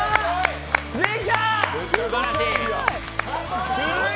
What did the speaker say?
できたー！